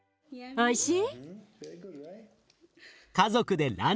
おいしい。